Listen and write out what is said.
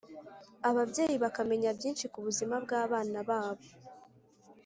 ababyeyi bakamenya byinshi ku buzima bw abana babo